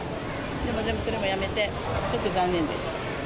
でも全部それをやめて、ちょっと残念です。